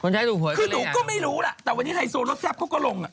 คนใช้ถูกหวยก็เลยหรือยังคือหนูก็ไม่รู้ล่ะแต่วันนี้ไทยโซนรถแท็บเขาก็ลง